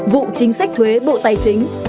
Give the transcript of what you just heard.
vụ chính sách thuế bộ tài chính